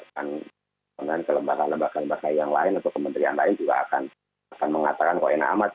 kemudian kelembagaan kelembagaan yang lain atau kementerian lain juga akan mengatakan koena amat